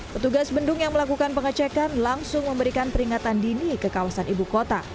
petugas bendung yang melakukan pengecekan langsung memberikan peringatan dini ke kawasan ibu kota